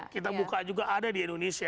kita buka juga ada di indonesia